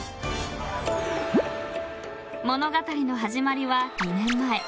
［物語の始まりは２年前］